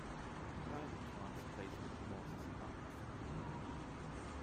Nine advanced placement courses are offered.